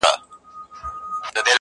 د زنده باد د مردباد په هديره كي پراته,